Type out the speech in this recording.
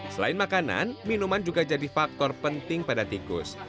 selain makanan minuman juga jadi faktor penting pada tikus